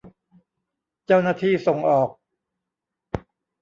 เจ้าหน้าที่ส่งออก